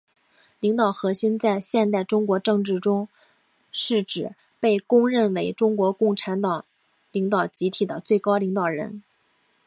领导核心在现代中国政治中是指被公认为中国共产党领导集体的最高领导人。